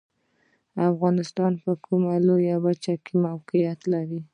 افغانستان په کومه لویه وچې کې موقعیت لري؟